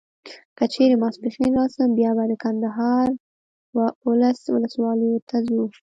که چیري ماپښین راسم بیا به د کندهار و اولس ولسوالیو ته ځو.